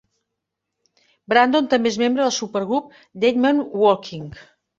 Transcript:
Brandon també és membre del supergrup Dead Men Walking.